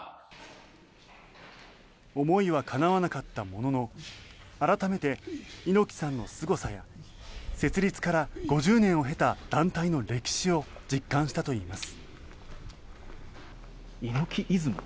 思いはかなわなかったものの改めて猪木さんのすごさや設立から５０年を経た団体の歴史を実感したといいます。